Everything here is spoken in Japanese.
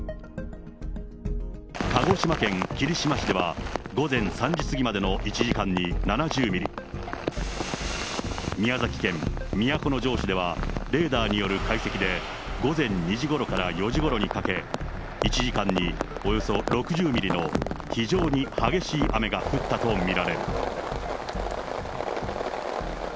鹿児島県霧島市では、午前３時過ぎまでの１時間に７０ミリ、宮崎県都城市では、レーダーによる解析で、午前２時ごろから４時ごろにかけ、１時間におよそ６０ミリの非常に激しい雨が降ったと見られる。